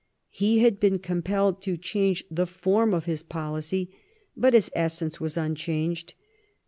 He had been compelled to change the form of his policy, but its essence was unchanged.